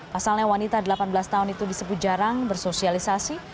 pasalnya wanita delapan belas tahun itu disebut jarang bersosialisasi